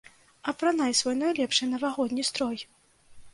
Апранай свой найлепшы навагодні строй!